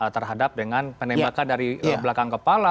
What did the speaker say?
terhadap dengan penembakan dari belakang kepala